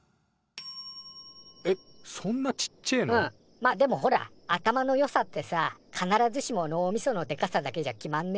まあでもほら頭の良さってさ必ずしも脳みそのでかさだけじゃ決まんね